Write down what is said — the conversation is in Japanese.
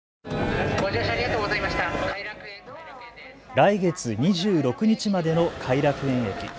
来月２６日までの偕楽園駅。